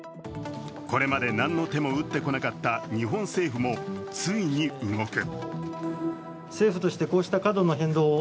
これまで何の手も打ってこなかった日本政府もついに動く。